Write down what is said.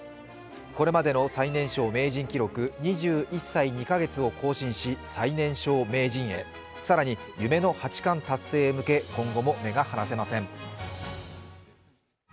これまでの最年少名人記録２１歳２カ月を更新し最年少名人へ、更に夢の八冠達成へ向け、今後も目が離せません。